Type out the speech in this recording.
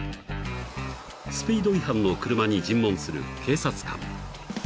［スピード違反の車に尋問する警察官］